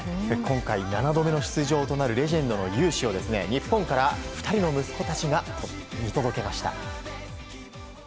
今回、７度目の出場となるレジェンドの勇姿を日本から２人の息子たちが見届けました。